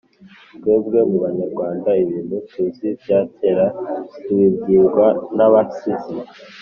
twebwe mu banyarwanda ibintu tuzi bya cyera tubibwirwa n’abasizi